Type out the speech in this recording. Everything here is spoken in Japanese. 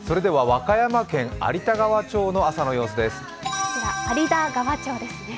和歌山県有田川町の朝の様子です。